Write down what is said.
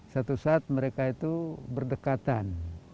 satu saat mereka itu berdekatan